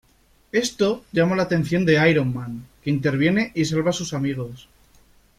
Esto llama la atención de Iron Man, que interviene y salva a sus amigos.